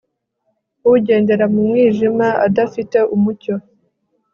ugendera mu mwijima adafite umucyo